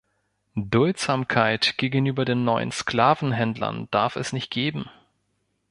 Duldsamkeit gegenüber den neuen Sklavenhändlern darf es nicht geben.